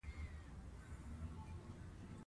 خوب مې ولیدی د وړانګو